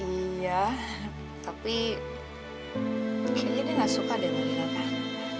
iya tapi kayaknya dia gak suka dengan lila pak